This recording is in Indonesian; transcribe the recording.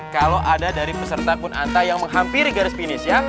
kalau ada dari peserta pun anta yang menghampiri garis finis ya